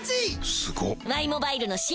すごっ！